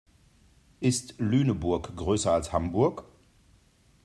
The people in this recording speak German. Ist Lüneburg größer als Hamburg?